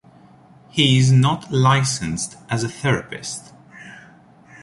He is not licensed as a therapist.